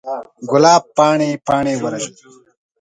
ګلاب پاڼې، پاڼې ورژید